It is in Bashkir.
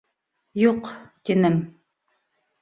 Юҡ, тинем!